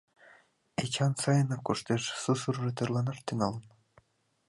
Эчан сайынак коштеш, сусыржо тӧрланаш тӱҥалын.